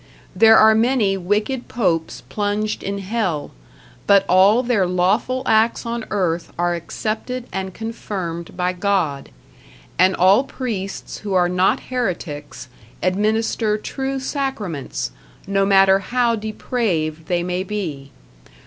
There are many wicked popes plunged in hell, but all their lawful acts on earth are accepted and confirmed by God, and all priests who are not heretics administer true sacraments, no matter how depraved they may be.